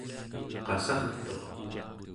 qassartuq